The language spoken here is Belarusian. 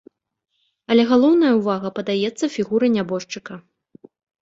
Але галоўная ўвага падаецца фігуры нябожчыка.